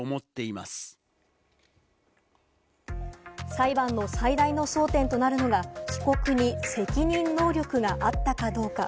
裁判の最大の争点となるのが被告に責任能力があったかどうか。